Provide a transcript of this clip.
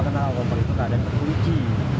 karena koper itu keadaan terpuliji